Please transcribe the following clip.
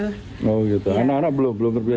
oh gitu anak anak belum terbiasa